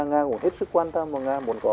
nga cũng hết sức quan tâm và nga muốn có